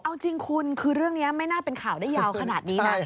เอาจริงคุณคือเรื่องนี้ไม่น่าเป็นข่าวได้ยาวขนาดนี้นะ